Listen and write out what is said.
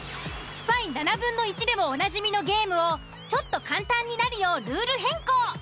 スパイ７分の１でもおなじみのゲームをちょっと簡単になるようルール変更。